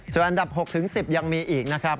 ส่วนอันดับ๖๑๐ยังมีอีกนะครับ